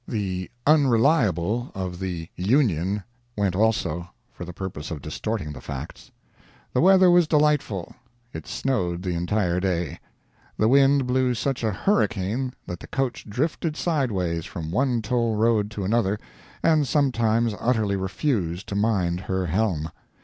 The Unreliable of the Union went also—for the purpose of distorting the facts. The weather was delightful. It snowed the entire day. The wind blew such a hurricane that the coach drifted sideways from one toll road to another, and sometimes utterly refused to mind her helm.